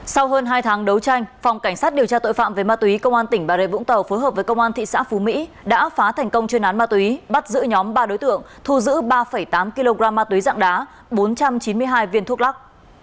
sau hơn hai tháng đấu tranh phòng cảnh sát điều tra tội phạm về ma túy công an tỉnh bà rê vũng tàu phối hợp với công an thị xã phú mỹ đã phá thành công chuyên án ma túy bắt giữ nhóm ba đối tượng thu giữ ba tám kg ma túy dạng đá bốn trăm chín mươi hai viên thuốc lắc